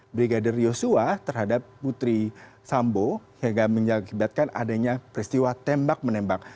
brigadir yosua terhadap putri sambo hingga menyebabkan adanya peristiwa tembak menembak